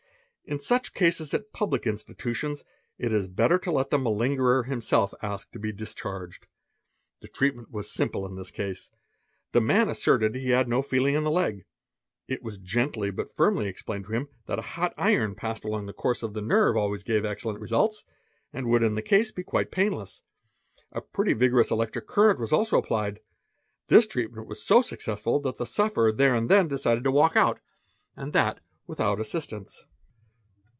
In such cases at public 'Sin stitutions it is better to let the malingerer himself ask to be discharged. an ee treatment was simple in this case. The man asserted he had no ; "feeling in the leg. 1t was gently but firmly explained to him that a hot 4 _ iron passed along the course of the nerve always gave excellent results, and would in the case be quite painless. A pretty vigorous electric current was also applied. 'This treatment was so successful that the "sufferer there and then decided to walk out, and that without assistance."